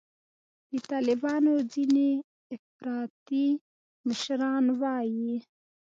د طالبانو ځیني افراطي مشران وایي